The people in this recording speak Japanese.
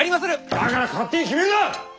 だから勝手に決めるな！